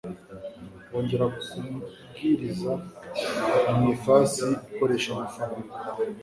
bongera kubwiriza mu ifasi ikoresha amafaranga